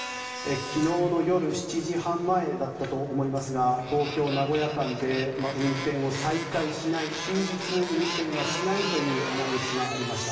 昨日の夜７時半前だったと思いますが東京名古屋間で運転を再開しない終日、運転しないというアナウンスがありました。